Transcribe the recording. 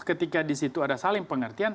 ketika disitu ada saling pengertian